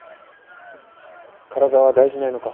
体は大事ないのか？